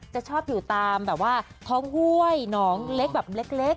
จะชอบอยู่ตามแบบว่าท้องห้วยหนองเล็กแบบเล็ก